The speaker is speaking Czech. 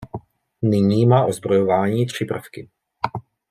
Nyní má ozbrojování tři prvky.